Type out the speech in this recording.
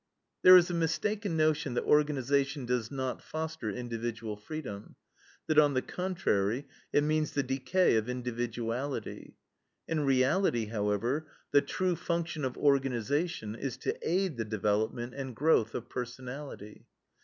"There is a mistaken notion that organization does not foster individual freedom; that, on the contrary, it means the decay of individuality. In reality, however, the true function of organization is to aid the development and growth of personality.